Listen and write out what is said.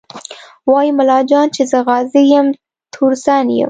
وايي ملا جان چې زه غازي یم تورزن یم